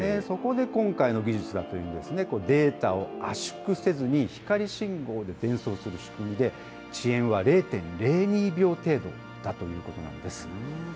そこで今回の技術は、データを圧縮せずに、光信号で伝送する仕組みで、遅延は０．０２秒程度だということなんです。